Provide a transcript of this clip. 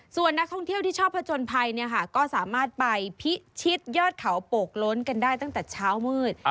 ส่วนนักท่องเที่ยวที่ชอบผจญภัยเนี่ยค่ะก็สามารถไปพิชิตยอดเขาโปกล้นกันได้ตั้งแต่เช้ามืด